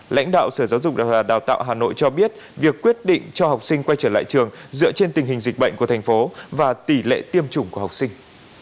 lãnh đạo sở giáo dục đào tạo hà nội cho biết việc quyết định cho học sinh quay trở lại trường dựa trên tình hình dịch bệnh của thành phố và tỷ lệ tiêm chủng của học sinh